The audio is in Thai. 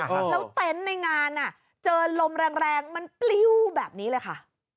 แล้วเต็นต์ในงานเจอลมแรงมันปลิ้วแบบนี้เลยค่ะ